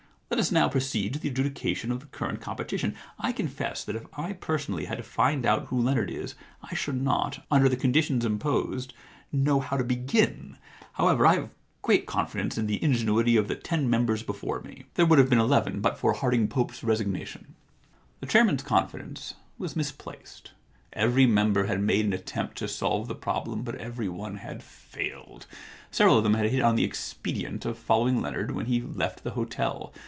Let us now proceed to the adjudication of the current competition. I confess that if I personally had to find out who Leonard is, I should not, under the conditions imposed, know how to begin. However, I have great confidence in the ingenuity of the ten members before io8 The Identity Problem me— there would have been eleven but for Harding Pope's resignation.' The chairman's confidence was misplaced. Every member had made an attempt to solve the problem, but every one had failed. Several of them had hit on the expedient of following Leonard when he left the hotel.